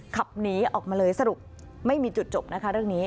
ขับหนีออกมาเลยสรุปไม่มีจุดจบนะคะเรื่องนี้